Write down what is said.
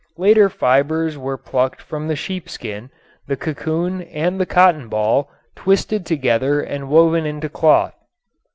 Later fibers were plucked from the sheepskin, the cocoon and the cotton ball, twisted together and woven into cloth.